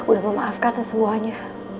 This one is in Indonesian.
aku udah memaafkan semuanya